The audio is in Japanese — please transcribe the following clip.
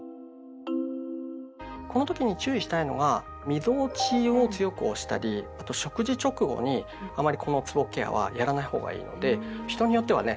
この時に注意したいのがみぞおちを強く押したりあと食事直後にあまりこのつぼケアはやらないほうがいいので人によってはね